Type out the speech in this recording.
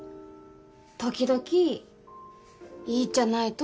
時々いいっちゃないと？